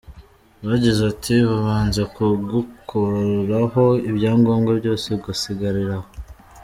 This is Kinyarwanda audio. agize ati: “Babanza kugukuraho ibyangombwa byose ugasigarira aho”.